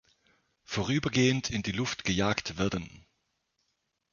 Vorübergehend in die Luft gejagt werden.